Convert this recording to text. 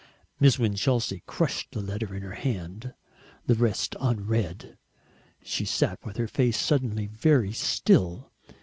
Miss Winchelsea crushed the letter in her hand the rest unread and sat with her face suddenly very still.